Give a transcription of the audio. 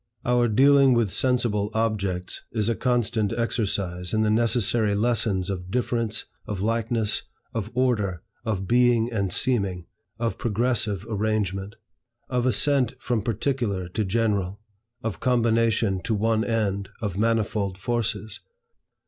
Our dealing with sensible objects is a constant exercise in the necessary lessons of difference, of likeness, of order, of being and seeming, of progressive arrangement; of ascent from particular to general; of combination to one end of manifold forces.